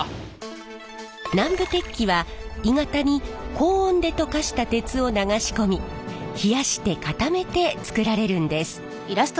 南部鉄器は鋳型に高温で溶かした鉄を流し込み冷やして固めて作られるんです。